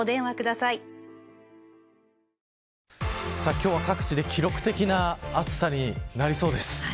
今日は各地で記録的な暑さになりそうです。